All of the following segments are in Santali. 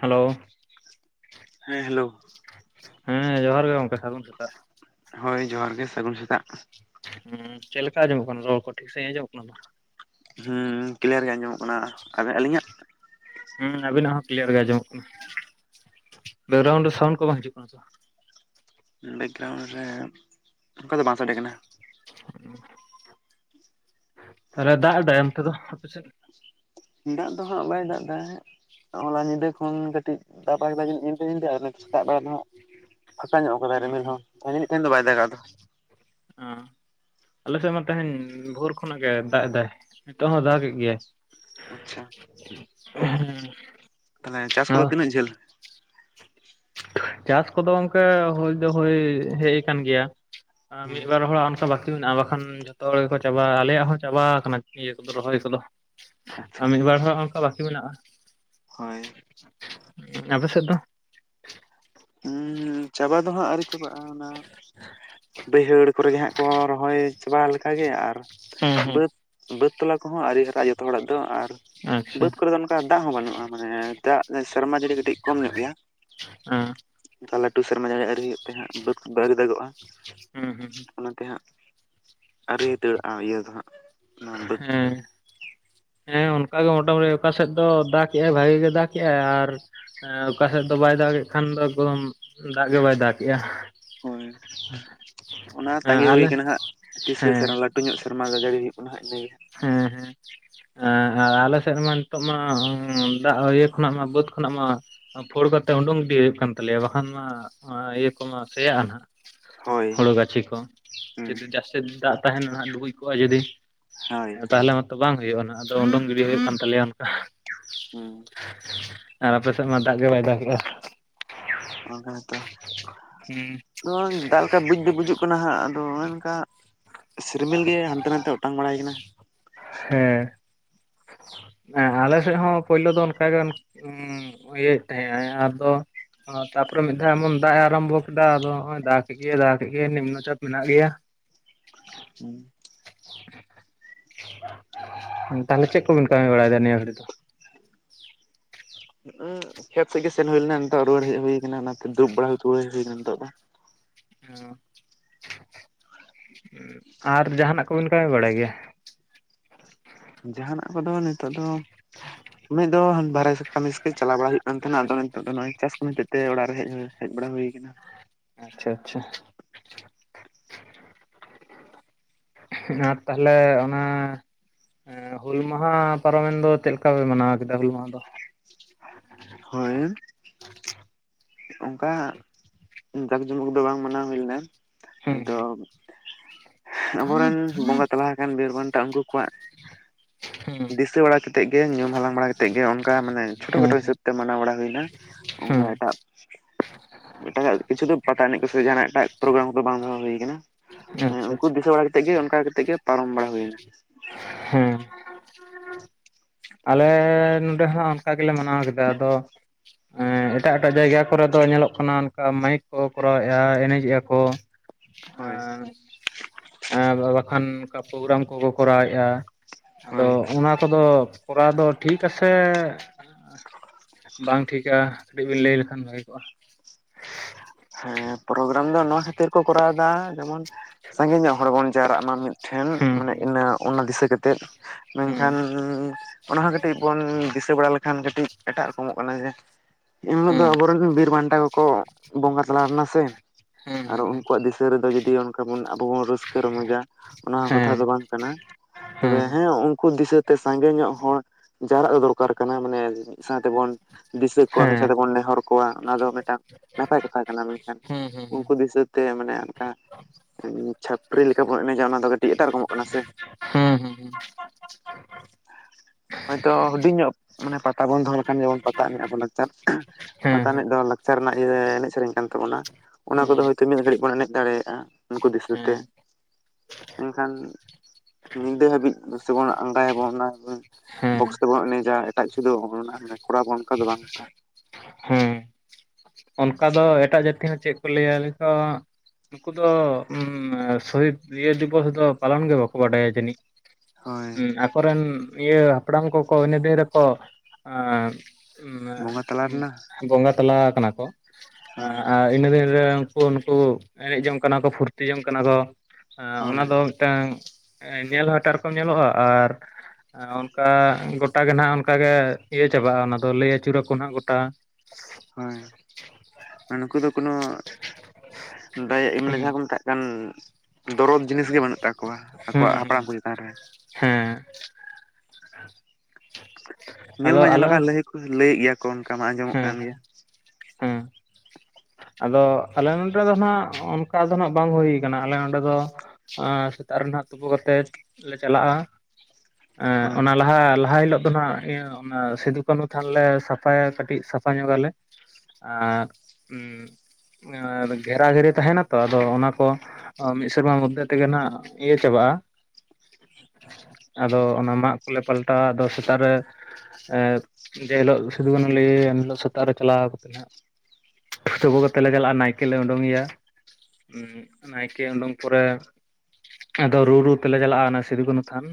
ᱦᱮᱞᱳᱣ᱾ ᱦᱮᱸ ᱦᱮᱞᱳᱣ᱾ ᱦᱮᱸ ᱡᱚᱦᱟᱨ ᱜᱮ ᱜᱚᱝᱠᱮ, ᱥᱟᱹᱜᱩᱱ ᱥᱮᱛᱟᱜ᱾ ᱦᱳᱭ ᱡᱚᱦᱟᱨ ᱜᱮ, ᱥᱟᱹᱜᱩᱱ ᱥᱮᱛᱟᱜ᱾ ᱦᱩᱸ, ᱪᱮᱫ ᱞᱮᱠᱟ ᱟᱸᱡᱚᱢᱚᱜ ᱠᱟᱱᱟ ᱨᱚᱲ ᱠᱚ, ᱴᱷᱤᱠ ᱥᱟᱺᱦᱤᱡ ᱟᱸᱡᱚᱢᱚᱜ ᱠᱟᱱᱟ ᱛᱚ? ᱦᱩᱸ ᱠᱞᱤᱭᱟᱨ ᱜᱮ ᱟᱸᱡᱚᱢᱚᱜ ᱠᱟᱱᱟ, ᱟᱵᱮ ᱟᱹᱞᱤᱧᱟᱜ? ᱦᱮᱸ ᱟᱵᱤᱱᱟᱜ ᱦᱚᱸ ᱠᱞᱤᱭᱟᱨ ᱜᱮ ᱟᱸᱡᱚᱢᱚᱜ ᱠᱟᱱᱟ᱾ ᱵᱮᱠᱜᱨᱟᱣᱩᱱᱰ ᱨᱮ ᱥᱟᱣᱩᱱᱰ ᱠᱚ ᱵᱟᱝ ᱦᱤᱡᱩᱜ ᱠᱟᱱᱟ ᱛᱚ? ᱩᱸ ᱵᱮᱠᱜᱨᱟᱣᱩᱱᱰ ᱨᱮ ᱚᱱᱠᱟ ᱫᱚ ᱵᱟᱝ ᱥᱟᱰᱮ ᱠᱟᱱᱟ᱾ ᱦᱩᱸ, ᱛᱟᱦᱞᱮ ᱫᱟᱜ ᱮᱫᱟᱭ ᱚᱱᱛᱮ ᱫᱚ ᱟᱯᱮ ᱥᱮᱫ? ᱫᱟᱜ ᱫᱚ ᱦᱟᱸᱜ ᱵᱟᱭ ᱫᱟᱜ ᱮᱫᱟ, ᱦᱚᱞᱟ ᱧᱤᱫᱟᱹ ᱠᱷᱚᱱ ᱠᱟᱹᱴᱤᱡ ᱫᱟᱜ [inaudible] ᱧᱤᱫᱟᱹ ᱧᱤᱫᱟ ᱚᱱᱮ ᱥᱮᱛᱟᱜ ᱵᱮᱲᱟ ᱫᱚ ᱦᱟᱸᱜ, ᱯᱷᱟᱸᱠᱟ ᱧᱚᱜ ᱟᱠᱟᱫᱟᱭ ᱨᱤᱢᱤᱞ ᱦᱚᱸ, ᱦᱚᱭ ᱡᱟᱱᱤᱡ ᱛᱮᱦᱮᱧ ᱫᱚ ᱵᱟᱭ ᱫᱟᱜᱟ ᱟᱫᱚ᱾ ᱚᱸᱻ ᱟᱞᱮ ᱥᱮᱫ ᱢᱟ ᱛᱮᱦᱮᱧ ᱵᱷᱳᱨ ᱠᱷᱚᱱᱟᱜ ᱜᱮ ᱫᱟᱜ ᱮᱫᱟᱭ ᱱᱤᱛᱚᱜ ᱦᱚᱸ ᱫᱟᱜᱮᱫ ᱜᱮᱭᱟᱭ᱾ ᱟᱪᱪᱷᱟ ᱦᱮᱸ, ᱛᱟᱦᱚᱞᱮ ᱪᱟᱥ ᱠᱚᱫᱚ ᱛᱤᱱᱟᱹᱜ ᱡᱷᱟᱹᱞ? ᱪᱟᱥ ᱠᱚᱫᱚ ᱚᱝᱠᱟ ᱦᱳᱭ ᱫᱚ ᱦᱳᱭ ᱦᱮᱡ ᱠᱟᱱ ᱜᱮᱭᱟ, ᱟᱸ ᱦᱮᱸ ᱢᱤᱫᱵᱟᱨ ᱦᱚᱲᱟᱜ ᱚᱱᱠᱟ ᱵᱟ ᱠᱤ ᱢᱮᱱᱟᱜᱼᱟ, ᱵᱟᱠᱷᱟᱱ ᱡᱷᱚᱛᱚ ᱦᱚᱲ ᱜᱮᱠᱚ ᱪᱟᱵᱟ ᱟᱞᱮᱭᱟᱜ ᱦᱚᱸ ᱪᱟᱵᱟ ᱟᱠᱟᱱᱟ ᱤᱭᱟᱹ ᱠᱚᱫᱚ ᱨᱚᱦᱚᱭ ᱠᱚᱫᱚ᱾ ᱟᱸ ᱟᱪᱪᱷᱟ ᱢᱤᱫ ᱵᱟᱨ ᱦᱚᱲᱟᱜ ᱚᱱᱠᱟ ᱵᱟᱹᱠᱤ ᱢᱮᱱᱟᱜᱼᱟ᱾ ᱦᱚᱭ᱾ ᱟᱯᱮ ᱥᱮᱫ ᱫᱚ? ᱦᱩᱸᱢ ᱪᱟᱵᱟ ᱫᱚ ᱦᱟᱸᱜ ᱟᱹᱣᱨᱤ ᱪᱟᱵᱟᱜᱼᱟ ᱚᱱᱟ, ᱵᱟᱹᱭᱦᱟᱹᱲ ᱠᱚᱨᱮᱜᱮ ᱦᱟᱸᱜ ᱠᱚ ᱨᱚᱦᱚᱭ ᱪᱟᱵᱟ ᱞᱮᱠᱟᱜᱮ ᱟᱨ ᱦᱩᱸ ᱵᱟᱹᱫᱽ ᱦᱩᱸ ᱵᱟᱹᱛ ᱛᱚᱞᱟ ᱠᱚᱦᱚᱸ ᱟᱹᱣᱨᱤ ᱦᱟᱨᱟᱜᱼᱟ ᱡᱚᱛᱚ ᱦᱚᱲᱟᱜ ᱫᱚ ᱟᱨ, ᱟᱪᱪᱷᱟ ᱵᱟᱹᱫᱽ ᱠᱚᱨᱮ ᱫᱚ ᱱᱚ ᱼᱼᱠᱟ ᱫᱟᱜ ᱦᱚᱸ ᱵᱟᱹᱱᱩᱜᱼᱟ, ᱢᱟᱱᱮ ᱫᱟᱜ ᱫᱟᱭ ᱥᱮᱨᱢᱟ ᱡᱟᱹᱲᱤ ᱠᱟᱹᱴᱤᱡ ᱠᱚᱢ ᱧᱚᱜ ᱜᱮᱭᱟ᱾ ᱚᱸ᱾ ᱚᱱᱠᱟ ᱞᱟᱹᱴᱩ ᱥᱮᱨᱢᱟ ᱡᱟᱹᱲᱤ ᱦᱟᱸᱜ ᱟᱹᱣᱨᱤ ᱦᱩᱭᱩᱜ ᱛᱮ ᱦᱟᱸᱜ ᱵᱟᱹᱛ ᱠᱚ ᱟᱹᱣᱨᱤ ᱫᱟᱜᱚᱜᱼᱟ᱾ ᱦᱩᱸ ᱦᱩᱸ ᱦᱩᱸ᱾ ᱚᱱᱟᱛᱮ ᱦᱟᱸᱜ ᱟᱣᱨᱤ [unintelligible] ᱤᱭᱟᱹ ᱫᱚ ᱦᱟᱸᱜ, ᱚᱱᱟ ᱵᱟᱹᱛ᱾ ᱦᱮᱸ᱾ ᱦᱮᱸ ᱚᱱᱠᱟ ᱜᱮ ᱢᱚᱴᱟᱢᱩᱴᱤ ᱚᱠᱟ ᱥᱮᱫ ᱫᱚ ᱫᱟᱜ ᱮᱭᱟᱭ ᱵᱷᱟᱜᱮ ᱜᱮ ᱫᱟᱜ ᱮᱭᱟᱭ, ᱟᱨ ᱮᱸ ᱚᱠᱟ ᱥᱮᱫ ᱫᱚ ᱵᱟᱭ ᱫᱟᱜᱮᱜ ᱠᱷᱟᱱ ᱫᱚ ᱮᱠᱫᱚᱢ, ᱫᱟᱜ ᱜᱮ ᱵᱟᱭ ᱫᱟᱜᱮᱜᱼᱟ᱾ ᱦᱳᱭ, ᱚᱱᱟ ᱛᱟᱸᱜᱤ ᱦᱩᱭ ᱟᱞᱮ ᱠᱟᱱᱟ ᱦᱟᱸᱜ, ᱛᱤᱥᱮ ᱦᱮᱸ ᱥᱮᱨᱢᱟ [inaudible] ᱴᱩᱧᱚᱜ ᱥᱮᱨᱢᱟ ᱫᱟᱜ ᱡᱟᱹᱲᱤ ᱦᱩᱭᱩᱜ ᱠᱟᱱᱟ ᱦᱟᱸᱜ ᱤᱱᱟᱹᱜᱮ ᱦᱮᱸ ᱦᱮᱸ ᱮᱸ ᱮᱸ ᱟᱞᱮ ᱥᱮᱫ ᱨᱮᱢᱟ ᱱᱤᱛᱚᱜ ᱢᱟ ᱫᱟᱜ ᱤᱭᱟᱹ ᱠᱷᱚᱱᱟᱜ ᱢᱟ ᱵᱟᱹᱛ ᱠᱷᱚᱱᱟᱜ ᱢᱟᱼᱼ ᱚᱱᱟ ᱯᱷᱳᱲ ᱠᱟᱛᱮᱜ ᱩᱰᱩᱝ ᱤᱫᱤ ᱦᱩᱭᱩᱜ ᱠᱟᱱ ᱛᱟᱞᱮᱭᱟ ᱵᱟᱠᱷᱟᱱ ᱢᱟ ᱤᱭᱟᱹ ᱠᱚᱢᱟ ᱥᱮᱭᱟᱜᱼᱟ ᱦᱟᱸᱜᱼᱼ ᱦᱳᱭ ᱦᱳᱲᱳ ᱜᱟᱹᱪᱷᱤ ᱠᱚ ᱦᱩᱸ ᱡᱩᱫᱤ ᱡᱟᱹᱥᱛᱤ ᱫᱟᱜ ᱛᱟᱦᱮᱱᱟ ᱦᱟᱸᱜ ᱰᱩᱵᱩᱡ ᱠᱚᱜᱼᱟ ᱡᱩᱫᱤᱼᱼ ᱦᱳᱭ ᱦᱳᱭ ᱛᱟᱦᱚᱞᱮ ᱢᱟᱛᱚ ᱵᱟᱝ ᱦᱩᱭᱩᱜᱼᱟ ᱱᱟᱦᱟᱜ ᱟᱫᱚ ᱩᱰᱩᱝ ᱜᱤᱰᱤ ᱦᱩᱭᱩᱜ ᱠᱟᱱ ᱛᱟᱞᱮᱭᱟ ᱚᱱᱠᱟ᱾ ᱦᱩᱸ ᱟᱨ ᱟᱯᱮ ᱥᱮᱫ ᱢᱟ ᱫᱟᱜ ᱜᱮ ᱵᱟᱭ ᱫᱟᱜ ᱮᱜᱼᱟ ᱚᱱᱮ ᱛᱚ ᱫᱚ ᱫᱟᱜ ᱞᱮᱠᱟ ᱵᱩᱡ ᱫᱚ ᱵᱩᱡᱚᱜ ᱠᱟᱱᱟ ᱦᱟᱸᱜ ᱟᱫᱚ ᱚᱱᱠᱟ, ᱥᱮ ᱤᱨᱢᱤᱞ ᱜᱮ ᱦᱟᱱᱛᱮ ᱱᱟᱛᱮ ᱚᱴᱟᱝ ᱵᱟᱲᱟᱭ ᱠᱟᱱᱟ᱾ ᱦᱮᱸ ᱦᱮᱸ ᱟᱞᱮ ᱥᱮᱫ ᱦᱚᱸ ᱯᱳᱭᱞᱳ ᱫᱚ ᱚᱱᱠᱟᱜᱮ ᱚᱱᱼᱼ ᱦᱩᱢ ᱤᱭᱟᱹᱭᱮᱫ ᱛᱟᱦᱮᱸ ᱟᱭ ᱟᱫᱚ ᱛᱟᱯᱚᱨᱮ ᱢᱤᱫ ᱫᱷᱟᱣ ᱮᱢᱚᱱ ᱫᱟᱜ ᱮ ᱟᱨᱟᱢᱵᱷᱚ ᱠᱮᱫᱟ ᱟᱫᱚ ᱱᱚᱜᱚᱭ ᱫᱟᱜ ᱮᱫ ᱜᱮᱭᱟ ᱫᱟ ᱮᱫ ᱜᱮᱭᱟ ᱱᱤᱢᱱᱚ ᱪᱟᱯ ᱢᱮᱱᱟᱜ ᱜᱮᱭᱟ᱾ [unintelligible] ᱛᱟᱦᱞᱮ ᱪᱮᱫ ᱠᱚᱵᱤᱱ ᱠᱟᱹᱢᱤ ᱵᱟᱲᱟᱭᱮᱫᱟ ᱱᱤᱭᱟᱹ ᱜᱷᱟᱹᱲᱤᱡ ᱫᱚ? ᱠᱷᱮᱛ ᱥᱜ ᱜᱮ ᱥᱮᱱ ᱦᱩᱭ ᱞᱮᱱᱟ ᱱᱤᱛᱚᱜ ᱨᱩᱣᱟᱹᱲ ᱦᱮᱡ ᱦᱩᱭ ᱠᱟᱱᱟ ᱚᱱᱟᱛᱮ ᱫᱩᱵ ᱵᱟᱲᱟ [unintelligible] ᱦᱩᱭ ᱠᱟᱱᱟ ᱱᱤᱛᱚᱜ ᱫᱚ᱾ ᱟᱨ ᱡᱟᱦᱟᱱᱟᱜ ᱠᱚᱵᱤᱱ ᱠᱟᱢᱤ ᱵᱟᱲᱟᱭ ᱜᱮᱭᱟ? ᱡᱟᱦᱟᱱᱟᱜ ᱠᱚᱫᱚ ᱱᱤᱛᱚᱜ ᱫᱚ ᱢᱤᱫ ᱫᱚ ᱵᱟᱦᱨᱮ ᱥᱮᱫ ᱠᱟᱢᱤᱥ ᱜᱮ ᱪᱟᱞᱟᱣ ᱵᱟᱲᱟ ᱦᱩᱭᱩᱜᱼᱼ ᱮᱚᱱᱛᱮᱱᱟᱜ ᱟᱫᱚ ᱱᱤᱛᱚᱜ ᱫᱚ ᱱᱚᱜᱚᱭ ᱪᱟᱥ ᱠᱚ ᱦᱚᱛᱮᱡ ᱛᱮ ᱚᱲᱟᱜ ᱨᱮ ᱦᱮᱡ ᱦᱮᱡ ᱵᱟᱲᱟ ᱦᱩᱭ ᱠᱟᱱᱟᱼᱼ ᱟᱪᱪᱷᱟ ᱟᱪᱪᱷᱟ ᱟᱨ ᱛᱟᱦᱚᱞᱮ ᱚᱱᱟᱼᱼ ᱦᱮᱸ ᱦᱩᱞ ᱢᱟᱦᱟ ᱯᱟᱨᱚᱢᱮᱱ ᱫᱚ ᱪᱮᱫ ᱞᱮᱠᱟ ᱯᱮ ᱢᱟᱱᱟᱣ ᱠᱮᱫᱟ ᱦᱩᱞ ᱢᱟᱦᱟ ᱫᱚ? ᱦᱳᱭ ᱚᱱᱠᱟ ᱡᱟᱠ ᱡᱚᱢᱚᱠ ᱫᱚ ᱵᱟᱝ ᱢᱟᱱᱟᱣ ᱦᱩᱭ ᱞᱮᱱᱟ ᱦᱮᱸ ᱟᱫᱚᱼᱼ ᱟᱵᱚᱨᱮᱱ ᱵᱚᱸᱜᱟ ᱛᱟᱞᱟᱼᱼ ᱮᱱ ᱵᱤᱨ ᱵᱟᱱᱴᱟ ᱩᱱᱠᱩ ᱠᱚᱣᱟᱜ ᱦᱮᱸ ᱫᱤᱥᱟᱹ ᱵᱟᱲᱟ ᱠᱟᱛᱮᱫ ᱜᱮ ᱧᱩᱢ ᱦᱟᱞᱟᱝᱼᱼ ᱵᱟᱲᱟ ᱠᱟᱛᱮ ᱜᱮ ᱚᱱᱠᱟ ᱢᱟᱱᱮ ᱪᱷᱳᱴᱳ ᱦᱮᱸ ᱠᱷᱟᱴᱳ ᱦᱮᱸ ᱦᱤᱥᱟᱹᱵ ᱛᱮ ᱢᱟᱱᱟᱣ ᱵᱟᱲᱟ ᱦᱩᱭᱱᱟ ᱚᱱᱠᱟ ᱦᱮᱸ ᱮᱴᱟᱜᱼᱼ ᱮᱴᱟᱜᱟᱜ ᱠᱤᱪᱷᱩ ᱫᱚ ᱯᱟᱛᱟ ᱮᱱᱮᱡ ᱠᱚ ᱥᱮ ᱡᱟᱦᱱᱟᱜ ᱮᱴᱟᱜ ᱯᱨᱳᱜᱨᱟᱢ ᱠᱚᱫᱚ ᱵᱟᱝ ᱫᱚᱦᱚ ᱦᱩᱭᱩ ᱠᱟᱱᱟ᱾ ᱦᱮᱸ ᱟᱪᱪᱷᱟ ᱩᱱᱠᱩ ᱟᱪᱪᱷᱟ ᱫᱤᱥᱟᱹ ᱵᱟᱲᱟ ᱠᱟᱛᱮᱫ ᱜᱮ ᱚᱱᱠᱟ ᱠᱟᱛᱮ ᱜᱮ ᱯᱟᱨᱚᱢ ᱵᱟᱲᱟ ᱦᱩᱭᱱᱟ᱾ ᱦᱮᱸ [inaudible] ᱟᱞᱮ ᱱᱚᱰᱮ ᱦᱜ ᱚᱱᱠᱟ ᱜᱮᱞᱮ ᱢᱟᱱᱟᱣ ᱠᱮᱫᱟ ᱟᱫᱚ ᱮᱸᱜᱼᱼ ᱮᱴᱟᱜ ᱮᱴᱟᱜ ᱡᱟᱭᱜᱟ ᱠᱚᱨᱮ ᱫᱚ ᱧᱮᱞᱚᱜ ᱠᱟᱱᱟ ᱚᱱᱠᱟ ᱢᱟᱭᱤᱠ ᱠᱚ ᱠᱚᱨᱟᱣᱮᱜᱼᱟ ᱮᱱᱮᱡᱮᱜᱼᱟ ᱠᱚ, ᱦᱳᱭ ᱟᱨ ᱵᱟᱠᱷᱟᱱ ᱚᱱᱠᱟ ᱯᱨᱳᱜᱨᱟᱢ ᱠᱚᱠᱚ ᱠᱚᱨᱟᱣᱮᱜᱼᱟ ᱟᱫᱚ ᱦᱳᱭ ᱚᱱᱟ ᱠᱚᱫᱚ ᱠᱚᱨᱟᱣ ᱫᱚ ᱴᱷᱤᱠ ᱟᱥᱮ ᱵᱟᱝ? ᱴᱷᱤᱠᱟ ᱠᱟᱹᱴᱤᱡ ᱵᱤᱱ ᱞᱟᱹᱭ ᱞᱮᱠᱷᱟᱱ ᱵᱷᱟᱜᱮ ᱠᱚᱜᱼᱟ? ᱦᱮᱸ ᱯᱨᱳᱜᱨᱟᱢ ᱫᱚ ᱱᱚᱣᱟ ᱠᱷᱟᱹᱛᱤᱨ ᱠᱚ ᱠᱚᱨᱟᱣ ᱫᱟ ᱡᱮᱢᱚᱱᱼᱼ ᱥᱟᱸᱜᱮ ᱧᱚᱜ ᱦᱚᱲ ᱵᱚᱱ ᱡᱟᱣᱨᱟᱜ ᱢᱟ ᱢᱤᱫᱴᱷᱮᱱ ᱦᱩᱸ ᱢᱟᱱᱮ ᱦᱩᱸ ᱤᱱᱟᱹ ᱚᱱᱟ ᱫᱤᱥᱟᱹ ᱠᱟᱛᱮᱜᱼᱼ ᱢᱮᱱ ᱠᱷᱟᱱᱻ ᱦᱩᱸ ᱚᱱᱟ ᱦᱚᱸ ᱠᱟᱹᱴᱤᱡ ᱵᱚᱱ ᱫᱤᱥᱟᱹ ᱵᱟᱲᱟ ᱞᱮᱠᱷᱟᱱ ᱠᱟᱹᱴᱤᱡ ᱮᱴᱟᱜ ᱨᱚᱠᱚᱢᱚᱜ ᱠᱟᱱᱟ ᱡᱮᱼᱼ ᱮᱱ ᱦᱤᱞᱳᱜ ᱫᱚ ᱟᱵᱚᱨᱮᱱ ᱵᱤᱨ ᱵᱟᱱᱴᱟ ᱠᱚᱠᱚ ᱵᱚᱸᱜᱟ ᱛᱟᱞᱟ ᱞᱮᱱᱟ ᱥᱮ ᱦᱩᱸ ᱟᱨ ᱦᱩᱸ ᱦᱩᱸ ᱩᱱᱠᱩᱣᱟᱜ ᱫᱤᱼᱼ [unintelligible] ᱨᱮᱫᱚ ᱡᱩᱫᱤ ᱚᱱ ᱠᱟᱵᱚᱱ ᱟᱵᱚ ᱵᱚᱱ ᱨᱟᱹᱥᱠᱟᱹ ᱨᱚᱢᱚᱡᱟ ᱚᱱᱟ ᱦᱚᱸ ᱠᱟᱛᱷᱟ ᱦᱮᱸ ᱫᱚ ᱵᱟᱝ ᱠᱟᱱᱟ ᱛᱚᱵᱮ ᱦᱮᱸ ᱩᱱᱠᱩ ᱫᱤᱥᱟᱹᱼᱼ ᱛᱮ ᱥᱟᱸᱜᱮ ᱧᱚᱜ ᱦᱚᱲ ᱡᱟᱣᱨᱟᱜ ᱫᱚᱨᱠᱟᱨ ᱠᱟᱱᱟ ᱢᱟᱱᱮ ᱢᱤᱫ ᱥᱟᱶ ᱛᱮᱵᱚᱱ ᱫᱤᱥᱟᱹ ᱠᱚᱣᱟ ᱢᱮᱥᱟ ᱦᱮᱸ ᱛᱮᱵᱚᱱ ᱱᱮᱦᱚᱨ ᱠᱚᱣᱟ ᱚᱱᱟ ᱫᱚ ᱢᱤᱜᱴᱟᱝᱼᱼ ᱱᱟᱯᱟᱭ ᱠᱟᱛᱷᱟ ᱠᱟᱱᱟ ᱢᱮᱱᱠᱷᱟᱱ ᱦᱩᱸ ᱦᱩᱸ ᱦᱩᱸ ᱩᱱᱠᱩ ᱫᱤᱥᱟᱹ ᱛᱮ ᱢᱟᱱᱮ ᱚᱱᱠᱟ ᱪᱷᱟᱹᱯᱨᱤ ᱞᱮᱠᱟ ᱵᱚᱱ ᱮᱱᱮᱡᱟ ᱚᱱᱟ ᱫᱚ ᱠᱟᱹᱴᱤᱡ ᱮᱴᱟᱜ ᱨᱚᱠᱚᱢᱚᱜ ᱠᱟᱱᱟ ᱥᱮ᱾ ᱦᱩᱸ ᱦᱩᱸ ᱦᱩᱸ᱾ ᱦᱳᱭᱛᱚ ᱦᱩᱰᱤᱧ ᱧᱚᱜ ᱢᱟᱱᱮ ᱯᱟᱛᱟ ᱵᱚᱱ ᱫᱚᱦᱚ ᱞᱮᱠᱷᱟᱱ ᱡᱮᱢᱚᱱ ᱯᱟᱛᱟ ᱮᱱᱮᱡ ᱟᱵᱚᱱᱼᱼ [unintelligible] ᱦᱮᱸ ᱯᱟᱛᱟ ᱮᱱᱮᱡ ᱦᱮᱸ ᱫᱚ ᱞᱟᱠᱪᱟᱨ ᱨᱮᱱᱟᱜ ᱤᱭᱟᱹ ᱮᱱᱮᱡ ᱥᱮᱨᱮᱧ ᱠᱟᱱ ᱛᱟᱵᱚᱱᱟ ᱚᱱᱟ ᱦᱩᱸ ᱠᱚᱫᱚ ᱦᱳᱭᱛᱳ ᱢᱤᱫ ᱜᱷᱟᱹᱲᱤᱡ ᱵᱚᱱ ᱮᱱᱮᱡ ᱫᱟᱲᱮᱭᱟᱜ-ᱟ᱾ ᱦᱮᱸ, ᱮᱱᱠᱷᱟᱱ ᱧᱤᱫᱟᱹ ᱦᱟᱹᱵᱤᱡ ᱥᱮᱵᱚᱱ ᱟᱸᱜᱟᱭᱟᱵᱚᱱ ᱚᱱᱟ ᱵᱚᱠᱥ ᱦᱮᱸ ᱥᱮᱵᱚᱱ ᱮᱱᱮᱡᱟ ᱮᱴᱟᱜ ᱠᱤᱪᱷᱩ ᱫᱚ [unintelligible] ᱠᱚᱨᱟᱣᱟ ᱵᱚᱱ ᱚᱱᱠᱟ ᱫᱚ ᱵᱟᱝ᱾ ᱦᱩᱸ, ᱚᱱᱠᱟ ᱫᱚ ᱮᱴᱟᱜ ᱡᱟᱹᱛᱤ ᱦᱚ ᱪᱮᱫ ᱠᱚ ᱞᱟᱹᱭᱟ ᱞᱟᱹᱭ ᱟᱠᱚ ᱱᱩᱠᱩ ᱫᱚ ᱥᱚᱦᱤᱫ ᱤᱭᱟᱹ ᱫᱤᱵᱚᱥ ᱫᱚ ᱯᱟᱞᱚᱱ ᱜᱮ ᱵᱟᱠᱚ ᱵᱟᱰᱟᱭᱟ ᱡᱟᱹᱱᱤᱡ᱾ ᱦᱳᱭ ᱦᱩ ᱟᱠᱚᱨᱮᱱ ᱤᱭᱟᱹ ᱦᱟᱯᱲᱟᱢ ᱠᱚᱠᱚ ᱤᱱᱟᱹ ᱫᱤᱱ ᱨᱮᱠᱚ ᱵᱚᱸᱜᱟ ᱛᱟᱞᱟ ᱨᱮᱱᱟᱜ ᱟᱸ ᱵᱚᱸᱜᱟ ᱛᱟᱞᱟ ᱠᱟᱱᱟ ᱠᱚ ᱦᱳᱭ ᱤᱱᱟᱹ ᱫᱤᱱ ᱨᱮ ᱩᱝᱠᱩ ᱩᱱᱠᱩ ᱮᱱᱮᱡ ᱡᱚᱝ ᱠᱟᱱᱟ ᱠᱚ ᱯᱷᱩᱨᱛᱤ ᱡᱚᱝ ᱠᱟᱱᱟ ᱠᱚ᱾ ᱚᱱᱟ ᱦᱳᱭ ᱫᱚ ᱢᱤᱫᱴᱟᱝ ᱧᱮᱞ ᱦᱚ ᱮᱴᱟᱜ ᱨᱚᱠᱚᱢ ᱧᱮᱞᱚᱜ-ᱟ᱾ ᱟᱨ ᱚᱱᱠᱟ ᱜᱚᱴᱟ ᱜᱮ ᱱᱟᱜ-ᱟ ᱚᱱᱠᱟ ᱜᱮ ᱤᱭᱟᱹ ᱪᱟᱵᱟᱜ-ᱟ ᱚᱱᱟ ᱫᱚ ᱞᱟᱹᱭ ᱟᱹᱪᱩᱨᱟᱠᱚ ᱱᱟᱜ ᱜᱚᱴᱟ᱾ ᱦᱳᱭ ᱱᱩᱠᱩ ᱫᱚ ᱠᱳᱱᱳ ᱫᱟᱭ ᱢᱟᱱᱮ ᱦᱩᱸ ᱡᱟᱦᱟᱸ ᱠᱚ ᱢᱮᱛᱟᱜ ᱜᱟᱱ ᱫᱚᱨᱚᱫ ᱡᱤᱱᱤᱥ ᱜᱮ ᱵᱟᱹᱱᱩᱜ ᱛᱟᱠᱚᱣᱟ ᱦᱩᱸ ᱟᱠᱚᱣᱟᱜ ᱦᱩᱸ ᱦᱟᱯᱲᱟᱢ ᱠᱚ ᱪᱮᱛᱟᱱ ᱨᱮ᱾ ᱦᱮᱸ, ᱧᱮᱞ ᱟᱫᱚ ᱢᱟ ᱧᱮᱞᱚᱜ ᱠᱟᱱᱟ ᱞᱟᱹᱭ ᱞᱟᱹᱭᱮᱜ ᱜᱮᱭᱟ ᱠᱚ ᱚᱱᱠᱟ ᱢᱟ᱾ ᱟᱸᱡᱚᱢᱚᱜ ᱦᱩᱸ ᱠᱟᱱ ᱦᱩᱸ ᱜᱮᱭᱟ ᱦᱩᱸ᱾ ᱟᱫᱚ ᱟᱞᱮ ᱱᱚᱸᱰᱮ ᱫᱚ ᱱᱟᱜ ᱚᱱᱠᱟ ᱫᱚ ᱱᱟᱜ ᱵᱟᱝ ᱦᱳᱭ ᱠᱟᱱᱟ ᱟᱞᱮ ᱱᱚᱸᱰᱮ ᱫᱚ ᱟᱸᱻ ᱥᱮᱛᱟᱜ ᱨᱮ ᱱᱟᱜ ᱛᱩᱯᱩ ᱠᱟᱛᱮᱫ ᱞᱮ ᱪᱟᱞᱟᱜ-ᱟ᱾ ᱮᱜ ᱦᱳᱭ ᱚᱱᱟ ᱞᱟᱦᱟ ᱞᱟᱦᱟ ᱦᱤᱞᱳᱜ ᱫᱚ ᱱᱟᱜ ᱤᱭᱟᱹ ᱚᱱᱟ ᱥᱤᱫᱩ ᱠᱟᱹᱱᱩ ᱛᱷᱟᱱ ᱞᱮ ᱥᱟᱯᱷᱟᱭᱟ ᱠᱟᱹ ᱠᱟᱹᱴᱤᱡ ᱥᱟᱯᱷᱟ ᱧᱚᱜ ᱟᱞᱮ᱾ ᱟᱨ ᱜᱷᱮᱨᱟ ᱜᱷᱮᱨᱤ ᱛᱟᱦᱮᱸ ᱱᱟᱛᱚ ᱟᱫᱚ ᱚᱱᱟ ᱠᱚ ᱢᱤᱜ ᱥᱮᱨᱢᱟ ᱢᱚᱫᱽᱫᱷᱮ ᱛᱮᱜᱮ ᱱᱟᱜ ᱤᱭᱟᱹ ᱪᱟᱵᱟᱜ-ᱟ᱾ ᱟᱫᱚ ᱚᱱᱟ ᱢᱟᱜ ᱠᱚᱞᱮ ᱯᱟᱞᱴᱟᱣᱟ ᱟᱫᱚ ᱥᱮᱛᱟᱜ ᱨᱮ ᱮᱜ ᱡᱮ ᱦᱤᱞᱳᱜ ᱥᱤᱫᱩ ᱠᱟᱹᱱᱩ ᱞᱮ ᱤᱭᱟᱹᱭᱟ ᱮᱱ ᱦᱤᱞᱳᱜ ᱥᱮᱛᱟᱜ ᱨᱮ ᱪᱟᱞᱟᱣ ᱠᱟᱛᱮ ᱦᱟᱜ ᱛᱳᱯᱳ ᱠᱟᱛᱮ ᱞᱮ ᱪᱟᱞᱟᱜ-ᱟ ᱱᱟᱭᱠᱮ ᱞᱮ ᱳᱰᱚᱝ ᱮᱭᱟ᱾ ᱩᱜ ᱱᱟᱭᱠᱮ ᱩᱰᱩᱝ ᱯᱚᱨᱮ ᱟᱫᱚ ᱨᱩ ᱨᱩ ᱛᱮᱞᱮ ᱪᱟᱞᱟᱜ-ᱟ ᱚᱱᱟ ᱥᱤᱫᱩ ᱠᱟᱹᱱᱩ ᱛᱷᱟᱱ᱾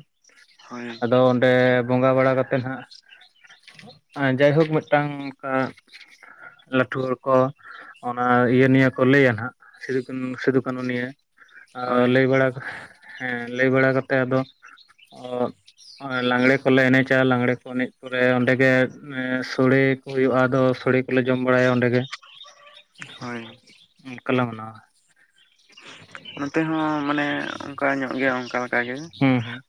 ᱦᱳᱭ ᱟᱫᱚ ᱚᱸᱰᱮ ᱵᱚᱸᱜᱟ ᱵᱟᱲᱟ ᱠᱟᱛᱮ ᱱᱟᱜ ᱡᱟᱭ ᱦᱳᱠ ᱢᱤᱫᱴᱟᱝ ᱚᱱᱠᱟ ᱞᱟᱹᱴᱷᱩ ᱦᱟᱲ ᱠᱚ, ᱚᱱᱟ ᱤᱭᱟᱹ ᱱᱤᱭᱟᱹ ᱠᱚ ᱞᱟᱹᱭᱟ ᱱᱟᱦᱟᱜ ᱥᱤᱫᱩ ᱠᱟᱹᱱᱩ ᱥᱤᱫᱩ ᱠᱟᱹᱱᱩ ᱱᱤᱭᱟᱹ᱾ ᱟᱻ ᱦᱳᱭ ᱞᱟᱹᱭ ᱵᱟᱲᱟ ᱦᱮᱸ ᱞᱟᱹᱭ ᱵᱟᱲᱟ ᱠᱟᱛᱮᱜ ᱟᱫᱚ ᱚ ᱞᱟᱜᱽᱬᱮ ᱠᱚᱞᱮ ᱮᱱᱮᱡᱟ ᱞᱟᱜᱽᱬᱮ ᱠᱚ ᱮᱱᱮᱡ ᱯᱚᱨᱮ ᱚᱸᱰᱮ ᱜᱮ ᱥᱚᱲᱮ ᱠᱚ ᱦᱩᱭᱩᱜ-ᱟ ᱟᱫᱚ ᱥᱚᱲᱮ ᱠᱚᱞᱮ ᱡᱚᱢ ᱵᱟᱲᱟᱭᱟ ᱚᱸᱰᱮ ᱜᱮ᱾ ᱦᱳᱭ ᱚᱱᱠᱟ ᱞᱮ ᱢᱟᱱᱟᱣᱟ᱾ ᱱᱚᱛᱮ ᱦᱚᱸ ᱢᱟᱱᱮ ᱚᱱᱠᱟ ᱧᱚᱜ ᱜᱮ ᱚᱱᱠᱟ ᱚᱱᱠᱟ ᱞᱮᱠᱟ᱾ ᱜᱮ ᱦᱩᱸ ᱦᱩᱸ᱾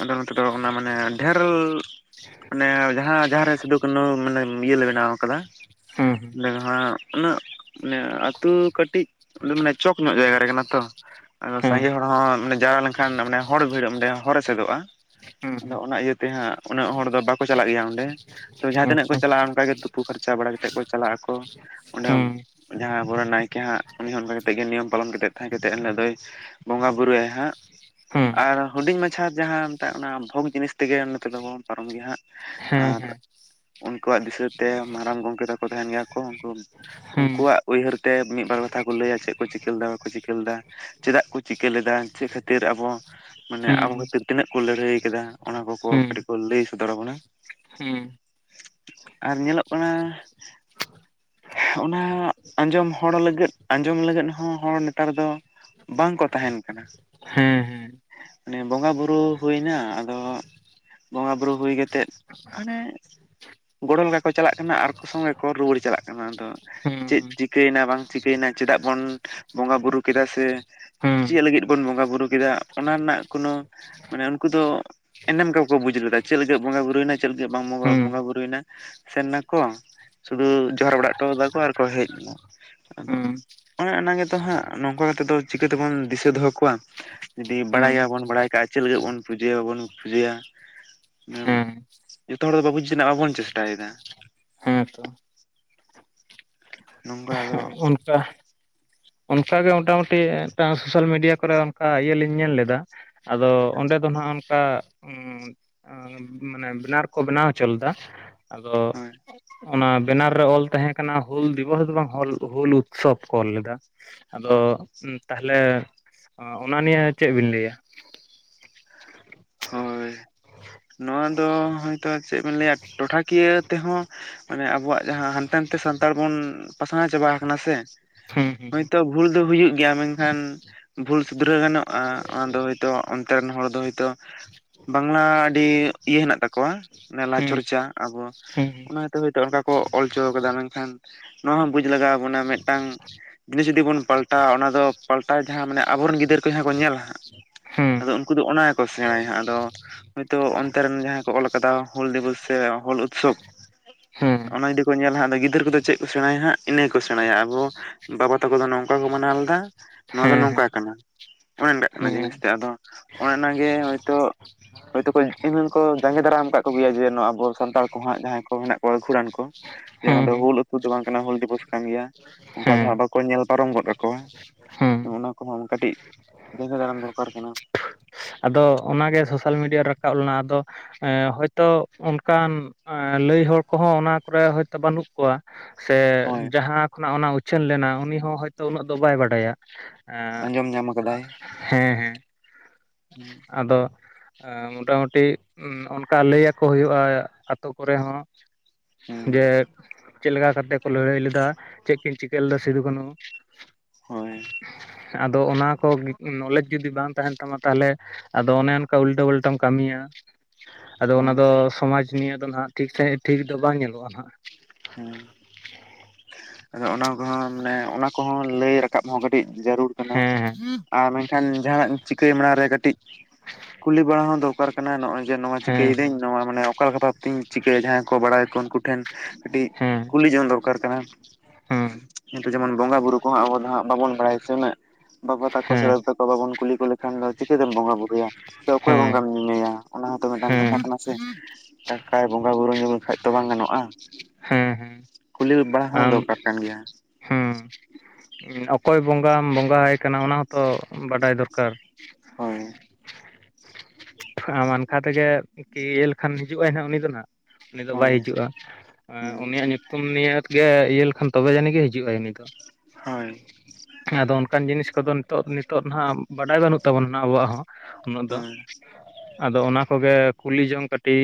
ᱟᱫᱚ ᱱᱚᱛᱮ ᱫᱚ ᱚᱱᱟ ᱢᱟᱱᱮ ᱰᱷᱮᱨᱞ ᱢᱟᱱᱮ ᱡᱟᱦᱟᱸ ᱡᱟᱦᱟᱸ ᱨᱮ ᱥᱤᱫᱩ ᱠᱟᱱᱩ ᱢᱟᱱᱮ ᱤᱭᱟᱹ ᱞᱮ ᱵᱮᱱᱟᱣ ᱠᱟᱫᱟ᱾ ᱦᱩᱸ ᱦᱩᱸ ᱚᱸᱰᱮ ᱦᱟᱜ ᱩᱱᱟᱹᱜ ᱢᱟᱱᱮ ᱟᱹᱛᱩ ᱠᱟᱹᱴᱤᱡ ᱢᱟᱱᱮ ᱪᱚᱠ ᱧᱚᱜ ᱡᱟᱭᱜᱟ ᱨᱮ ᱠᱟᱱᱟ᱾ ᱛᱚ ᱟᱫᱚ ᱦᱮᱸ ᱥᱟᱸᱜᱮ ᱦᱚᱲ ᱦᱚᱸ ᱡᱟᱣᱨᱟ ᱞᱮᱱᱠᱷᱟᱱᱮ ᱦᱚᱲ ᱵᱷᱤᱲ ᱚᱸᱰᱮ ᱦᱚᱨ ᱮᱥᱮᱫᱚᱜ-ᱟ᱾ ᱦᱩᱸ ᱦᱩᱸ ᱟᱫᱚ ᱚᱱᱟ ᱤᱭᱟᱹᱛᱮ ᱦᱟᱜ ᱩᱱᱟᱹᱜ ᱦᱚᱲ ᱫᱚ ᱵᱟᱠᱚ ᱪᱟᱞᱟᱜ ᱜᱮᱭᱟ ᱚᱸᱰᱮ᱾ ᱛᱚ ᱡᱟᱦᱟᱸ ᱛᱤᱱᱟᱹᱜ ᱠᱚ ᱟᱪᱪᱷᱟ ᱪᱟᱞᱟᱜ-ᱟ ᱚᱱᱠᱟᱜ ᱜᱮ ᱛᱩᱯᱩ ᱯᱷᱟᱨᱪᱟ ᱵᱟᱲᱟ ᱠᱟᱛᱮᱫ ᱠᱚ ᱪᱟᱞᱟᱜ ᱟᱠᱚ᱾ ᱦᱩᱸ, ᱡᱟᱦᱟᱸᱭ ᱟᱵᱚᱨᱮᱱ ᱱᱟᱭᱠᱮ ᱦᱟᱜ ᱩᱱᱤ ᱚᱱᱠᱟ ᱠᱟ ᱠᱟᱛᱮᱜ ᱜᱮ ᱱᱤᱭᱚᱢ ᱯᱟᱞᱚᱱ ᱠᱟ ᱠᱟᱛᱮ ᱛᱟᱦᱮᱸ ᱠᱟᱛᱮᱫ ᱮᱱᱦᱤᱞᱳᱜ ᱫᱚᱭ ᱵᱚᱸᱜᱟ ᱵᱩᱨᱩᱭᱟᱭ ᱦᱟᱜ, ᱦᱮᱸ ᱟᱨ ᱦᱩᱰᱤᱧ ᱢᱟᱪᱷᱟ ᱡᱟᱦᱟᱸ ᱢᱮᱛᱟᱜ ᱚᱱᱟ ᱵᱷᱳᱜᱽ ᱡᱤᱱᱤᱥ ᱛᱮᱜᱮ ᱱᱤᱛᱚᱜ ᱫᱚᱵᱚᱱ ᱯᱟᱨᱚᱢ ᱜᱮᱭᱟ ᱦᱟᱜ᱾ ᱦᱮᱸ ᱦᱮᱸ᱾ ᱩᱱᱠᱩᱣᱟᱜ ᱫᱤᱥᱟᱹ ᱛᱮ ᱢᱟᱨᱟᱝ ᱜᱚᱝᱠᱮ ᱛᱟᱠᱚ ᱛᱟᱦᱮᱱ ᱜᱮᱭᱟ ᱠᱚ ᱩᱱᱠᱩ ᱦᱮᱸ ᱩᱱᱠᱩᱣᱟᱜ ᱩᱭᱦᱟᱹᱨ ᱛᱮ ᱢᱤᱫ ᱵᱟᱨ ᱠᱟᱛᱷᱟ ᱠᱚ ᱞᱟᱹᱭᱟ ᱪᱮᱫ ᱠᱚ ᱪᱤᱠᱟᱹ ᱞᱮᱫᱟ᱾ ᱠᱚ ᱪᱤᱠᱟᱹ ᱞᱮᱫᱟ ᱪᱮᱫᱟᱜ ᱠᱚ ᱪᱤᱠᱟᱹ ᱞᱮᱫᱟ ᱪᱮᱫ ᱠᱷᱟᱹᱛᱤᱨ ᱟᱵᱚ ᱢᱟᱱᱮ ᱟᱵᱚ ᱦᱮᱸ ᱠᱷᱟᱹᱛᱤᱨ ᱛᱤᱱᱟᱹᱜ ᱠᱚ ᱞᱟᱹᱲᱦᱟᱹᱭ ᱠᱟᱫᱟ ᱚᱱᱟ ᱠᱚᱠᱚ ᱦᱮᱸ ᱠᱟᱹᱴᱤᱡ ᱠᱚ ᱞᱟᱹᱭ ᱥᱚᱫᱚᱨ ᱟᱵᱚᱱᱟ᱾ ᱦᱮᱸ ᱟᱨ ᱧᱮᱞᱚᱜ ᱠᱟᱱᱟ? ᱚᱱᱟ ᱟᱸᱡᱚᱢ ᱦᱚᱲ ᱞᱟᱹᱜᱤᱫ ᱟᱸᱡᱚᱢ ᱞᱟᱹᱜᱤᱫ ᱦᱚᱸ ᱦᱚᱲ ᱱᱮᱛᱟᱨ ᱫᱚ ᱵᱟᱝᱠᱚ ᱛᱟᱦᱮᱱ ᱠᱟᱱᱟ ᱦᱮᱸ ᱦᱮᱸ ᱢᱟᱱᱮ ᱵᱚᱸᱜᱟ ᱵᱩᱨᱩ ᱦᱩᱭᱱᱟ ᱟᱫᱚ ᱵᱚᱸᱜᱟ ᱵᱩᱨᱩ ᱦᱩᱭ ᱠᱟᱛᱮᱫ ᱚᱱᱮ ᱜᱚᱲᱚ ᱞᱮᱠᱟ ᱠᱚ ᱪᱟᱞᱟᱜ ᱠᱟᱱᱟ ᱟᱨ ᱠᱚ ᱥᱚᱸᱜᱮ ᱠᱚ ᱨᱩᱭᱟᱹᱲ ᱪᱟᱞᱟᱜ ᱠᱟᱱᱟ ᱟᱫᱚ ᱪᱮᱫ ᱪᱤᱠᱟᱹᱭᱮᱱᱟ ᱵᱟᱝ ᱪᱤᱠᱟᱹᱭᱮᱱᱟ ᱪᱮᱫᱟᱜ ᱵᱚᱱ ᱵᱚᱸᱜᱟ ᱵᱩᱨᱩ ᱠᱮᱫᱟ ᱥᱮ ᱦᱮᱸ ᱪᱮᱫ ᱞᱟᱹᱜᱤᱫ ᱵᱚᱱ ᱵᱚᱸᱜᱟ ᱵᱩᱨᱩ ᱠᱮᱫᱟ ᱚᱱᱟ ᱨᱮᱱᱟᱜ ᱠᱳᱱᱳ ᱢᱟᱱᱮ ᱩᱱᱠᱩ ᱫᱚ ᱮᱱᱮᱢ ᱜᱮ ᱵᱟᱠᱚ ᱵᱩᱡᱽ ᱞᱮᱫᱟ ᱪᱮᱫ ᱞᱟᱜᱤᱫ ᱵᱚᱸᱜᱟ ᱵᱩᱨᱩᱭᱮᱱᱟ ᱪᱮᱫ ᱞᱟᱹᱜᱤᱫ ᱵᱟᱢ ᱵᱚᱸᱜᱟ ᱵᱩᱨᱩᱭᱮᱱᱟ ᱥᱮᱱ ᱱᱟ ᱠᱚ ᱥᱩᱫᱩ ᱡᱚᱦᱟᱨ ᱵᱟᱲᱟ ᱦᱚᱴᱚᱭᱟ ᱫᱟᱠᱚ ᱟᱨ ᱠᱚ ᱦᱮᱡ ᱮᱱᱟ ᱟᱫᱚ ᱦᱮᱸ ᱚᱱᱮ ᱚᱱᱟᱱᱟᱜ ᱜᱮᱛᱚ ᱦᱟᱸᱜ ᱱᱚᱝᱠᱟ ᱠᱟᱛᱮ ᱫᱚ ᱪᱤᱠᱟᱹ ᱛᱮᱵᱚᱱ ᱫᱤᱥᱟᱹ ᱫᱚᱦᱚ ᱠᱚᱣᱟ᱾ ᱡᱩᱫᱤ ᱦᱮᱸ ᱦᱮᱸ ᱵᱟᱲᱟᱭ ᱜᱮ ᱵᱟᱲᱟᱭ ᱵᱟᱲᱟᱭ ᱠᱟᱜ-ᱟ ᱪᱮᱫ ᱞᱟᱜᱤᱫ ᱵᱚᱱ ᱯᱩᱡᱟᱹᱭᱟ ᱵᱟᱵᱚᱱ ᱯᱩᱡᱟᱹᱭᱟ ᱛᱚ ᱦᱮᱸ ᱡᱚᱛᱚ ᱦᱚᱲ ᱫᱚ [unintelligible] ᱵᱟᱵᱚᱱ ᱪᱮᱥᱴᱟᱭᱮᱫᱟ ᱦᱮᱸᱛᱚ ᱱᱚᱝᱠᱟ ᱟᱫᱚ ᱚᱱᱠᱟ ᱚᱱᱠᱟᱜ ᱜᱮ ᱢᱚᱴᱟᱢᱩᱴᱤ ᱢᱤᱫᱴᱟᱝ ᱥᱳᱥᱟᱞ ᱢᱤᱰᱤᱭᱟ ᱠᱚᱨᱮ ᱚᱱᱠᱟ ᱤᱭᱟᱹ ᱞᱤᱧ ᱧᱮᱞ ᱞᱮᱫᱟ᱾ ᱟᱫᱚ ᱚᱸᱰᱮ ᱫᱚ ᱱᱟᱦᱟᱸᱜ ᱚᱱᱠᱟ ᱢᱟᱱᱮ ᱵᱮᱱᱟᱨ ᱠᱚ ᱵᱮᱱᱟᱣ ᱦᱚᱪᱚ ᱞᱮᱫᱟ ᱟᱫᱚ ᱦᱳᱭ ᱚᱱᱟ ᱵᱮᱱᱟᱨ ᱨᱮ ᱚᱞ ᱛᱟᱦᱮᱸ ᱠᱟᱱᱟ ᱦᱩᱞ ᱫᱤᱵᱚᱥ ᱫᱚ ᱵᱟᱝ ᱦᱚᱞ ᱦᱩᱞ ᱩᱛᱥᱚᱵ ᱠᱚ ᱚᱞ ᱞᱮᱫᱟ ᱚ ᱟᱫᱚ ᱛᱟᱦᱚᱞᱮ ᱚᱱᱟ ᱱᱤᱭ ᱪᱮᱫ ᱵᱤᱱ ᱞᱟᱹᱭ ᱟ? [inaudible] ᱦᱳᱭ ᱱᱚᱣᱟ ᱫᱚ ᱦᱚᱭᱛᱳ ᱪᱮᱫ ᱵᱮᱱ ᱞᱟᱹᱭ ᱟ ᱴᱚᱴᱷᱟᱠᱤᱭᱟᱹ ᱛᱮᱦᱚᱸ ᱢᱟᱱᱮ ᱟᱵᱚᱣᱟᱜ ᱡᱟᱦᱟᱸ ᱦᱟᱱᱛᱮ ᱱᱟᱛᱮ ᱥᱟᱱᱛᱟᱲ ᱵᱚᱱ ᱯᱟᱥᱱᱟᱣ ᱪᱟᱵᱟ ᱠᱟᱱᱟ ᱥᱮ ᱦᱮᱸ ᱦᱮᱸ ᱦᱳᱭᱛᱚ ᱵᱷᱩᱞ ᱫᱚ ᱦᱩᱭᱩᱜ ᱜᱮᱭᱟ ᱢᱮᱱᱠᱷᱟᱱ ᱵᱷᱩᱞ ᱥᱩᱫᱷᱨᱟᱹᱣ ᱜᱟᱱᱚᱜ-ᱟ ᱚᱱᱟᱫᱚ ᱦᱳᱭᱛᱳ ᱚᱱᱛᱮ ᱨᱮᱱ ᱦᱚᱲ ᱫᱚ ᱦᱳᱭᱛᱚ ᱵᱟᱝᱞᱟ ᱟᱹᱰᱤ ᱤᱭᱟᱹ ᱦᱮᱱᱟᱜ ᱛᱟᱠᱚᱣᱟ ᱱᱮᱞᱟ ᱦᱮᱸ ᱪᱚᱨ ᱪᱟ ᱟᱵᱚ ᱦᱮᱸ ᱚᱱᱟ ᱦᱚᱛᱮ ᱦᱳᱭᱛᱚ ᱚᱱᱠᱟ ᱠᱚ ᱚᱞᱪᱚ ᱠᱟᱫᱟ ᱢᱮᱱᱠᱷᱟᱱ ᱱᱚᱣᱟ ᱦᱚᱸ ᱵᱩᱡᱽ ᱞᱟᱜᱟᱣ ᱟᱵᱚᱱᱟ ᱢᱤᱫᱴᱟᱝ ᱡᱤᱱᱤᱥ ᱡᱩᱫᱤ ᱵᱚᱱ ᱯᱟᱞᱴᱟᱣᱟ ᱚᱱᱟ ᱫᱚ ᱯᱟᱞᱴᱟᱣ ᱡᱟᱦᱟᱸ ᱢᱟᱱᱮ ᱟᱵᱚᱨᱮᱱ ᱜᱤᱫᱟᱹᱨ ᱠᱚ ᱡᱟᱦᱟᱸ ᱠᱚ ᱧᱮᱞᱟ ᱦᱟᱸᱜ ᱟᱫᱚ ᱦᱮᱸ ᱩᱱᱠᱩ ᱫᱚ ᱚᱱᱟ ᱜᱮᱠᱚ ᱥᱮᱬᱟᱭᱟ ᱦᱟᱸᱜ ᱟᱫᱚ ᱦᱚᱭᱛᱚ ᱚᱱᱛᱮ ᱨᱮᱱ ᱡᱟᱦᱟᱸᱭ ᱠᱚ ᱚᱞ ᱟᱠᱟᱫᱟ ᱦᱩᱞ ᱫᱤᱵᱚᱥ ᱥᱮ ᱦᱩᱞ ᱩᱛᱥᱚᱵᱽ ᱦᱮᱸ ᱚᱱᱟ ᱡᱩᱫᱤ ᱠᱚ ᱧᱮᱞᱟ ᱦᱟᱸᱜ ᱟᱫᱚ ᱜᱤᱫᱟᱹᱨ ᱠᱚᱫᱚ ᱪᱮᱫ? ᱠᱚ ᱥᱮᱬᱟᱭᱟ ᱦᱟᱸᱜ ᱤᱱᱟᱹ ᱠᱚ ᱥᱮᱸᱬᱟᱭᱟ ᱟᱵᱚ ᱵᱟᱵᱟ ᱛᱟᱠᱚ ᱫᱚ ᱱᱚᱝᱠᱟ ᱠᱚ ᱢᱟᱱᱟᱣ ᱞᱮᱫᱟ ᱱᱚᱣᱟ ᱫᱚ ᱦᱮᱸ ᱱᱚᱝᱠᱟ ᱠᱟᱱᱟ᱾ ᱚᱱᱮ ᱠᱟᱜ ᱠᱟᱱᱟ ᱡᱤᱱᱤᱥ ᱦᱮᱸ ᱛᱮ ᱟᱫᱚ ᱚᱱᱮ ᱚᱱᱟᱜᱮ ᱦᱳᱭᱛᱳ [unintelligible] ᱦᱳᱭᱛᱳ ᱠᱚ ᱤᱱ ᱠᱚ ᱡᱟᱸᱜᱮ ᱫᱟᱨᱟᱢ ᱠᱟᱫ ᱠᱚ ᱜᱮᱭᱟ ᱡᱮ ᱟᱵᱚ ᱥᱟᱱᱛᱟᱲ ᱠᱚ ᱦᱟᱸᱜ ᱡᱟᱦᱟᱸᱭ ᱠᱚ ᱢᱮᱱᱟᱜ ᱠᱚᱣᱟ ᱜᱩᱲᱟᱱ ᱠᱚ ᱡᱮ ᱱᱚᱣᱟ ᱫᱚ ᱦᱮᱸ ᱦᱩᱞ ᱫᱚ ᱵᱟᱝ ᱠᱟᱱᱟ ᱦᱩᱞ ᱫᱤᱵᱚᱥ ᱠᱟᱱ ᱜᱮᱭᱟ ᱚᱱᱠᱟ ᱫᱚ ᱦᱮᱸ ᱵᱟᱠᱚ ᱧᱮᱞ ᱯᱟᱨᱚᱢ ᱜᱚᱫ ᱠᱟᱠᱚᱣᱟ ᱦᱮᱸ ᱚᱱᱟ ᱠᱚᱦᱚᱸ ᱠᱟᱹᱴᱤᱡ ᱡᱟᱸᱜᱮ ᱫᱟᱨᱟᱢ ᱫᱚᱨᱠᱟᱨ ᱠᱟᱱᱟ᱾ ᱟᱫᱚ ᱚᱱᱟ ᱜᱮ ᱥᱳᱥᱟᱞ ᱢᱤᱰᱤᱭᱟ ᱨᱮ ᱨᱟᱠᱟᱵ ᱞᱮᱱᱟ ᱟᱫᱚ ᱦᱚᱭᱛᱚ ᱚᱱᱠᱟᱱ ᱞᱟᱹᱭ ᱦᱚᱲ ᱠᱚᱦᱚᱸ ᱚᱱᱟ ᱠᱚᱨᱮ ᱦᱚᱭᱛᱚ ᱵᱟᱹᱱᱩᱜ ᱠᱚᱣᱟ ᱥᱮ ᱦᱳᱭ ᱡᱟᱦᱟᱸ ᱠᱷᱚᱱᱟᱜ ᱚᱱᱟ ᱩᱪᱷᱟᱹᱱ ᱞᱮᱱᱟ ᱩᱱᱤ ᱦᱚᱸ ᱦᱳᱭᱛᱚ ᱩᱱᱟᱹᱜ ᱫᱚ ᱵᱟᱭ ᱵᱟᱰᱟᱭᱟ᱾ ᱟᱸᱡᱚᱢ ᱧᱟᱢ ᱟᱜᱻ ᱟᱠᱟᱫᱟᱭ ᱦᱮᱸ ᱦᱮᱸ [unintelligible] ᱟᱫᱚ ᱢᱚᱴᱟᱢᱩᱴᱤ ᱚᱱᱠᱟ ᱞᱟᱹᱭ ᱟᱠᱚ ᱦᱳᱭᱳᱜ-ᱟ ᱟᱛᱳ ᱠᱚᱨᱮ ᱦᱚᱸ ᱦᱩᱸ ᱡᱮ ᱪᱮᱫ ᱞᱮᱠᱟ ᱠᱟᱛᱮᱜ ᱞᱟᱹᱲᱦᱟᱹᱭ ᱞᱮᱫᱟ ᱪᱮᱫ ᱠᱤᱱ ᱪᱤᱠᱟᱹ ᱞᱮᱫᱟ ᱥᱤᱫᱩ ᱠᱟᱹᱱᱩ? ᱦᱳᱭ, ᱟᱫᱚ ᱚᱱᱟ ᱠᱚ ᱱᱚᱞᱮᱡᱽ ᱡᱩᱫᱤ ᱵᱟᱝ ᱛᱟᱦᱮᱱ ᱛᱟᱢᱟ ᱛᱟᱦᱚᱞᱮ ᱟᱫᱚ ᱚᱱᱮ ᱚᱱᱠᱟ ᱩᱞᱴᱟᱹ ᱯᱞᱴᱟᱢ ᱠᱟᱹᱢᱤᱭᱟ ᱟᱫᱚ ᱚᱱᱟ ᱦᱳᱭ ᱫᱚ ᱥᱚᱢᱟᱡ ᱱᱤᱭᱟᱹ ᱫᱚ ᱱᱟᱦᱟᱜ ᱴᱷᱤᱠ ᱥᱟᱸᱦᱤᱡ ᱴᱷᱤᱠ ᱫᱚ ᱵᱟᱝ ᱧᱮᱞᱚᱜᱼᱟ ᱱᱟᱦᱟᱜ᱾ ᱦᱩᱸ ᱚᱱᱟ ᱠᱚᱦᱚᱸ ᱢᱟᱱᱮ ᱚᱱᱟ ᱠᱚᱦᱚᱸ ᱞᱟᱹᱭ ᱨᱟᱠᱟ ᱨᱟᱠᱟᱵ ᱦᱚᱸ ᱠᱟᱹᱴᱤᱡ ᱡᱟᱹᱨᱩᱲ ᱠᱟᱱᱟ ᱦᱮᱸ ᱟᱨ ᱢᱮᱱ ᱠᱷᱟᱱ ᱡᱟᱦᱱᱟᱜ ᱪᱤᱠᱟᱹᱭ ᱢᱟᱲᱟᱝ ᱨᱮ ᱠᱟᱹᱴᱤᱡ ᱠᱩᱞᱤ ᱵᱟᱲᱟ ᱦᱚᱸ ᱫᱚᱨᱠᱟᱨ ᱠᱟᱱᱟ, ᱱᱚᱜᱼᱚᱭ ᱡᱮ ᱱᱚᱣᱟ ᱪᱤᱠᱟᱹᱭ ᱫᱟᱹᱤᱧ ᱦᱮᱸ ᱱᱚᱣᱟ ᱢᱟᱱᱮ ᱚᱠᱟᱞᱮᱠᱟ ᱵᱷᱟᱵᱽ ᱛᱮᱧ ᱪᱤᱠᱟᱹᱭᱟ ᱡᱟᱦᱟᱸᱭ ᱠᱚ ᱵᱟᱲᱟᱭᱟᱠᱚ ᱩᱱᱠᱩ ᱴᱷᱮᱱ ᱠᱟᱹᱴᱤᱡ ᱦᱮᱸ ᱠᱩᱞᱤ ᱡᱚᱝ ᱫᱚᱨᱠᱟᱨ ᱠᱟᱱᱟ᱾ ᱦᱮᱸ ᱱᱤᱛᱟᱹᱜ ᱡᱮᱢᱚᱱ ᱵᱚᱸᱜᱟ ᱵᱩᱨᱩ ᱠᱚᱦᱚᱸ ᱟᱵᱚ ᱫᱚ ᱦᱟᱸᱜ ᱵᱟᱵᱚᱱ ᱵᱟᱲᱟᱭᱟ ᱥᱮ ᱩᱱᱟᱹᱜ ᱵᱟᱵᱟ ᱛᱟᱠᱚ ᱥᱮ ᱦᱮᱸ ᱵᱟᱵᱚᱱ ᱠᱩᱞᱤ ᱠᱚ ᱞᱮᱠᱷᱟᱱ ᱫᱚ ᱪᱤᱠᱟᱹᱛᱮᱢ ᱵᱚᱸᱜᱟ ᱵᱩᱨᱩᱭᱟ? ᱥᱮ ᱚᱠᱚᱭ ᱵᱚᱸᱜᱟᱢ ᱦᱮᱸ ᱧᱩᱢᱮᱭᱟ ᱚᱱᱟ ᱦᱚᱸᱛᱚ ᱦᱮᱸ ᱢᱤᱫᱴᱟᱝ ᱠᱟᱛᱷᱟ ᱦᱮᱸ ᱠᱟᱱᱟ ᱥᱮ᱾ ᱴᱟᱠᱟᱭ ᱵᱚᱸᱜᱟ ᱵᱩᱨᱩ ᱧᱩᱢ ᱞᱮᱠᱷᱟᱱ ᱛᱚ ᱵᱟᱝ ᱜᱟᱱᱚᱜᱼᱟ᱾ ᱦᱮᱸ ᱦᱮᱸ, ᱠᱩᱞᱤ ᱵᱟᱲᱟ ᱦᱚᱸ ᱫᱚᱨᱠᱟᱨ ᱠᱟᱱ ᱜᱮᱭᱟ᱾ ᱦᱩᱸ, ᱚᱠᱚᱭ ᱵᱚᱸᱜᱟᱢ ᱵᱚᱸᱜᱟᱭ ᱠᱟᱱᱟ ᱚᱱᱟ ᱦᱚᱸᱛᱚ ᱵᱟᱰᱟᱭ ᱫᱚᱨᱠᱟᱨ᱾ ᱦᱳᱭ ᱟᱢ ᱚᱱᱠᱟ ᱛᱮᱜᱮ ᱠᱤ ᱤᱭᱟᱹ ᱞᱮᱠᱷᱟᱱ ᱦᱤᱡᱩᱜᱼᱟᱭ ᱦᱟᱸᱜ ᱩᱱᱤ ᱫᱚ ᱱᱟᱜ᱾ ᱩᱱᱤ ᱫᱚ ᱵᱟᱭ ᱦᱳᱭ ᱦᱤᱡᱩᱜᱼᱟ ᱦᱩᱸ ᱩᱱᱤᱭᱟᱜ ᱧᱩᱛᱩᱢ ᱱᱤᱭᱟᱹ ᱜᱮ ᱤᱭᱟᱹ ᱞᱮᱠᱷᱟᱱ ᱛᱚᱵᱮ ᱡᱟᱹᱱᱤᱜ ᱜᱮ ᱦᱤᱡᱩᱜᱼᱟᱭ ᱩᱱᱤ ᱫᱚ᱾ ᱦᱚᱭ, ᱟᱫᱚ ᱚᱱᱠᱟᱱ ᱡᱤᱱᱤᱥ ᱠᱚᱫᱚ ᱱᱤᱛᱚᱜ ᱱᱤᱛᱚᱜ ᱦᱟᱸᱜ ᱵᱟᱰᱟᱭ ᱵᱟᱹᱱᱩᱜ ᱛᱟᱵᱚᱱᱟ ᱟᱵᱚᱣᱟᱜ ᱦᱚᱸ᱾ ᱩᱱᱟᱹᱜ ᱫᱚ᱾ ᱦᱳᱭ ᱟᱫᱚ ᱚᱱᱟ ᱠᱚ ᱜᱮ ᱠᱩᱞᱤ ᱡᱚᱝ ᱠᱟᱹᱴᱤᱡ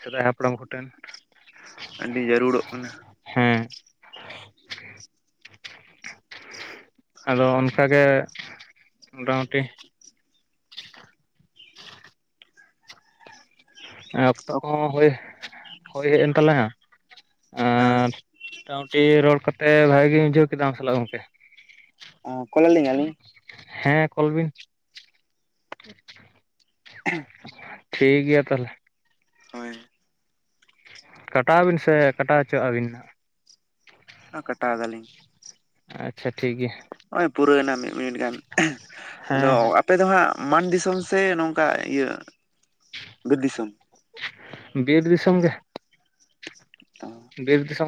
ᱥᱮᱫᱟᱭ ᱦᱟᱯᱲᱟᱢ ᱠᱚᱴᱷᱮᱱ, ᱟᱹᱰᱤ ᱡᱟᱹᱨᱩᱲᱚᱜ ᱠᱟᱱᱟ᱾ ᱦᱮᱸ᱾ ᱟᱫᱚ ᱚᱱᱠᱟᱜᱮ ᱢᱚᱴᱟᱢᱩᱴᱤ ᱚᱠᱛᱚ ᱠᱚᱦᱚᱸ ᱦᱳᱭ ᱦᱳᱭ ᱦᱮᱡ ᱮᱱ ᱛᱟᱞᱟᱝᱟ᱾ ᱟᱨ ᱦᱳᱭ ᱢᱚᱴᱟᱢᱩᱴᱤ ᱨᱚᱲ ᱠᱟᱛᱮ ᱵᱷᱟᱜᱤ ᱜᱮᱧ ᱵᱩᱡᱷᱟᱹᱣ ᱠᱮᱫᱟ ᱟᱢ ᱥᱟᱞᱟᱜ ᱜᱚᱝᱠᱮ ᱾ ᱚ, ᱠᱚᱞᱟᱞᱤᱧ ᱟᱹᱞᱤᱧ? ᱦᱮᱸ, ᱠᱚᱞ ᱵᱤᱱ ᱾ [unintelligible] ᱴᱷᱤᱠ ᱜᱮᱭᱟ ᱛᱟᱦᱚᱞᱮ ᱾ ᱦᱚᱭ ᱾ ᱠᱟᱴᱟᱣ ᱟᱵᱤᱱ ᱥᱮ ᱠᱟᱴᱟᱣ ᱦᱚᱪᱚᱣᱟᱜ ᱟᱹᱵᱤᱱ ᱱᱟᱜ? ᱠᱟᱴᱟᱣ ᱫᱟᱹᱞᱤᱧ᱾ ᱟᱪᱪᱷᱟ, ᱴᱷᱤᱠ ᱜᱮᱭᱟ ᱾ ᱱᱚᱜᱼᱚᱭ ᱯᱩᱨᱟᱹᱣᱱᱟ ᱢᱤᱫ ᱢᱤᱱᱤᱴ ᱜᱟᱱ ᱾ ᱟᱫᱚ ᱦᱮᱸ ᱦᱮᱸ ᱟᱯᱮ ᱫᱚ ᱦᱟᱸᱜ ᱢᱟᱱ ᱫᱤᱥᱚᱢ ᱥᱮ ᱱᱚᱝᱠᱟ ᱤᱭᱟᱹ ᱵᱤᱨ ᱫᱤᱥᱚᱢ? ᱵᱤᱨ ᱫᱤᱥᱚᱢ ᱜᱮ ᱾ ᱚ ᱾ ᱵᱤᱨ ᱫᱤᱥᱚᱢ